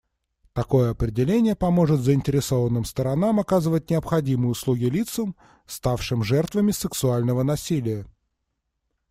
Такое определение поможет заинтересованным сторонам оказывать необходимые услуги лицам, ставшим жертвами сексуального насилия.